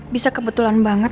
bisa kebetulan banget